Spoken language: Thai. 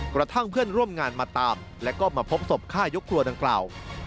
กระทั่งเพื่อนร่วมงานมาตามและก็มาพบศพฆ่ายกครัวดังกล่าว